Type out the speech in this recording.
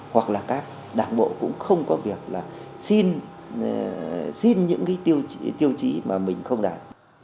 hoặc là các đảng bộ cũng không có việc là xin những cái tiêu chí mà mình không đạt